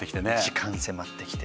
時間迫ってきて。